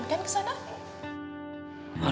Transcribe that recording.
kamu bisa nengokin kan kesana